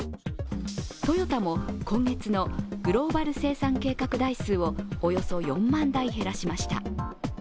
トヨタも今月のグローバル生産計画台数をおよそ４万台減らしました。